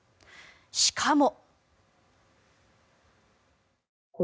しかも。